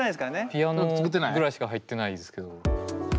ピアノぐらいしか入ってないですけど。